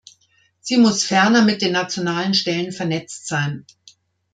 Sie muss ferner mit den nationalen Stellen vernetzt sein.